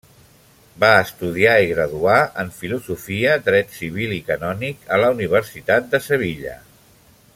Va estudiar i graduar en filosofia, dret civil i canònic a la Universitat de Sevilla.